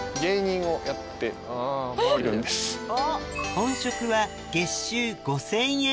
本職は月収５０００円